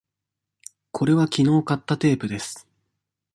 これはきのう買ったテープです。